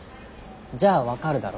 じゃあ分かるだろ？